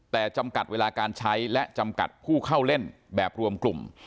แต่จำกัดเวลาการใช้และจำกัดผู้เข้าเล่นแบบรวมกลุ่ม